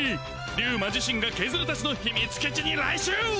リュウマ自身がケズルたちの秘密基地に来襲！